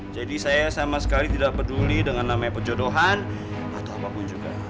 jadi saya sama sekali tidak peduli dengan namanya perjodohan atau apapun juga